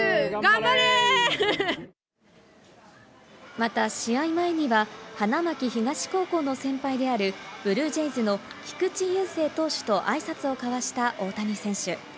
また試合前には花巻東高校の先輩であるブルージェイズの菊池雄星投手と挨拶を交わした大谷選手。